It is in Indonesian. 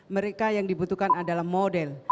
mereka yang dibutuhkan adalah model